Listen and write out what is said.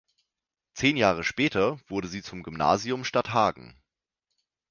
Zehn Jahre später wurde sie zum Gymnasium Stadthagen.